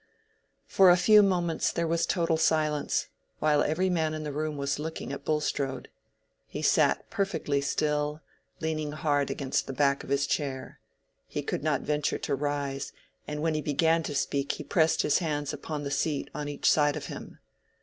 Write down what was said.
For a few moments there was total silence, while every man in the room was looking at Bulstrode. He sat perfectly still, leaning hard against the back of his chair; he could not venture to rise, and when he began to speak he pressed his hands upon the seat on each side of him.